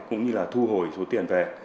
cũng như là thu hồi số tiền về